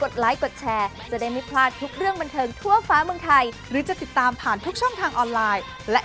เดี๋ยวพลอยขอเวลาไปกินน้ำก่อนนะคะ